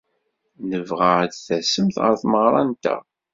Nebɣa ad d-tasemt ɣer tmeɣra-nteɣ.